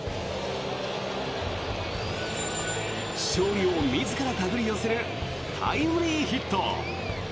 勝利を自ら手繰り寄せるタイムリーヒット。